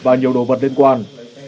và nhiều đồ vật liên quan